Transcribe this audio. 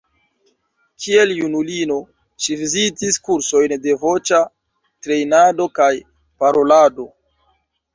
Kiel junulino ŝi vizitis kursojn de voĉa trejnado kaj parolado.